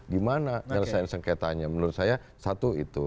gimana nyelesaian sengketanya menurut saya satu itu